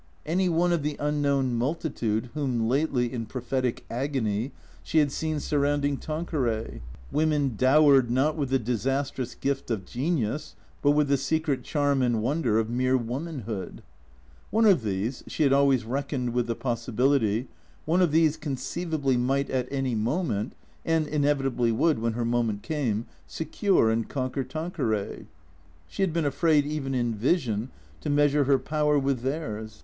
Any one of the unknown multitude whom lately, in prophetic agony, she had seen surrounding Tanqueray; women dowered, not with the disastrous gift of genius, but with the secret charm and wonder of mere womanhood. One of these (she had always reckoned with the possibility), one of these conceivably might at any moment, and inevitably would when her moment came, secure and conquer Tanqueray. She had been afraid, even in vision, to measure her power with theirs.